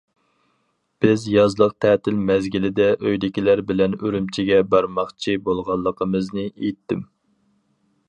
بىز يازلىق تەتىل مەزگىلىدە ئۆيدىكىلەر بىلەن ئۈرۈمچىگە بارماقچى بولغانلىقىمىزنى ئېيتتىم.